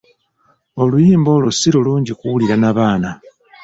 Oluyimba olwo si lulungi kuwulira na baana.